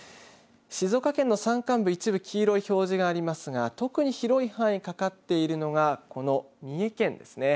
静岡県の山間部一部、黄色い表示がありますが特に広い範囲かかっているのがこの三重県ですね。